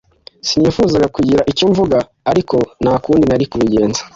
Sinifuzaga kugira icyo mvuga ariko nta kundi nari kubigenza